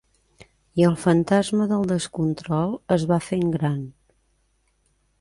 I el fantasma del descontrol es va fent gran.